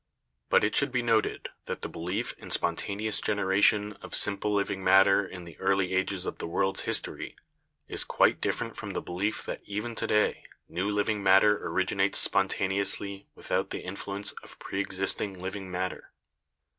But it should be noted that "belief in the spontaneous genera tion of simple living matter in the early ages of the world's history is quite different from the belief that even to day new living matter originates spontaneously without the in fluence of preexisting living matter."